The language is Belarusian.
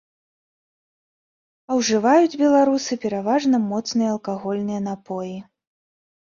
А ўжываюць беларусы пераважна моцныя алкагольныя напоі.